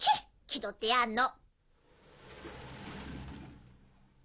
気どってやんの！